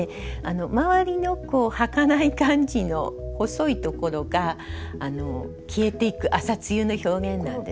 周りの儚い感じの細いところが消えていく朝露の表現なんですけれども。